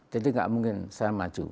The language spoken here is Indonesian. jadi gak mungkin saya maju